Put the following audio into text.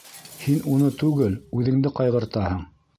Һин уны түгел, үҙеңде ҡайғыртаһың!